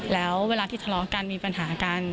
แล้วเวลาที่ทะเลาะกันมีปัญหากัน